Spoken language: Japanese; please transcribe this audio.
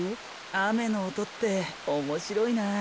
あめのおとっておもしろいな。